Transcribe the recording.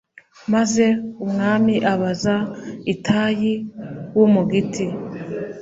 Maze umwami abaza Itayi w’Umugiti